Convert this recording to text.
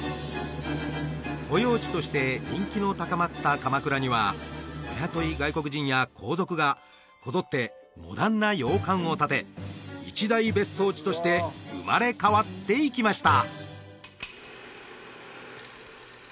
保養地として人気の高まった鎌倉にはお雇い外国人や皇族がこぞってモダンな洋館を建て一大別荘地として生まれ変わっていきました！